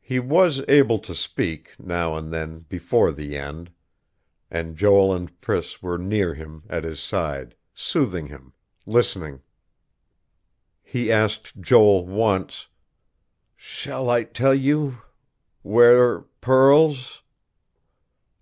He was able to speak, now and then, before the end; and Joel and Priss were near him, at his side, soothing him, listening.... He asked Joel, once: "Shall I tell you where pearls..."